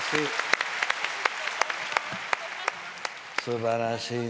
すばらしいね。